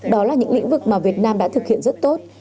đó là những lĩnh vực mà việt nam đã thực hiện rất tốt